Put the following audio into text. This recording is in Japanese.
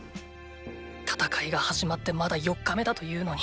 戦いが始まってまだ４日目だというのに。